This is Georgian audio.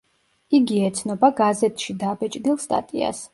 იგი ეცნობა გაზეთში დაბეჭდილ სტატიას.